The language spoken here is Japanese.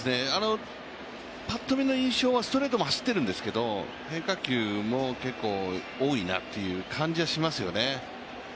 ぱっと見の印象はストレートも走ってるんですけど変化球も結構多いなっていう感じはしますよね。